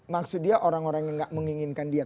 maksudnya orang orang yang tidak menginginkan dia